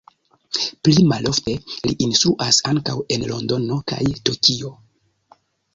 Pli malofte li instruas ankaŭ en Londono kaj Tokio.